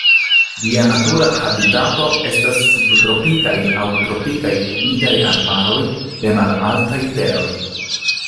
Ĝia natura habitato estas subtropikaj aŭ tropikaj humidaj arbaroj de malaltaj teroj.